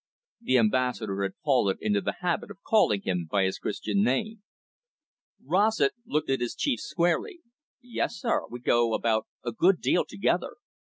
The Ambassador had fallen into the habit of calling him by his Christian name. Rossett looked at his chief squarely. "Yes, sir, we go about a good deal together.